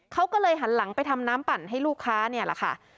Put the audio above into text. เขาก็เลยหันหลังไปทำน้ำปั่นให้ลูกค้าเนี่ยแหละค่ะ